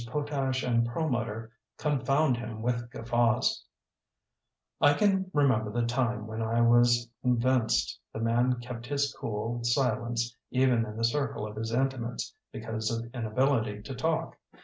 Potash and Perlmutter confound him with guffaws. I can remember the time when I was convinced the man kept his cool si lence, even in the circle of his inti mates, because of inability to talk.